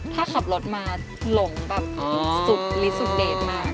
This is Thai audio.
ถ้าขับรถมาหลงสุกรีสุกเดชมาก